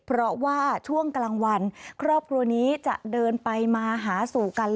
เพราะว่าช่วงกลางวันครอบครัวนี้จะเดินไปมาหาสู่กัน